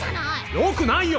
よくないよ！